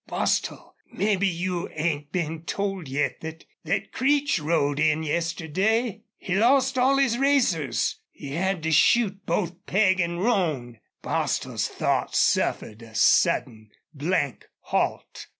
"Bostil, mebbe you 'ain't been told yet thet thet Creech rode in yesterday.... He lost all his racers! He had to shoot both Peg an' Roan!" Bostil's thought suffered a sudden, blank halt.